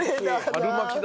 春巻きだ。